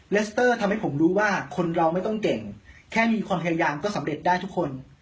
สเตอร์ทำให้ผมรู้ว่าคนเราไม่ต้องเก่งแค่มีความพยายามก็สำเร็จได้ทุกคน